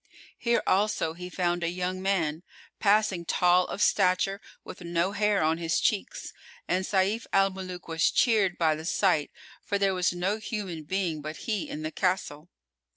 Here also he found a young man, passing tall of stature with no hair on his cheeks, and Sayf al Muluk was cheered by the sight for there was no human being but he in the castle.